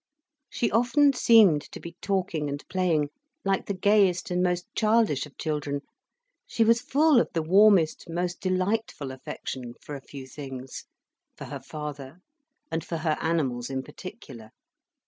She often seemed to be talking and playing like the gayest and most childish of children, she was full of the warmest, most delightful affection for a few things—for her father, and for her animals in particular.